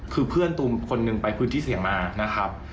คือเพื่อนตูมคนหนึ่งไปพื้นที่เสี่ยงมานะครับ